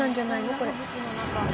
これ。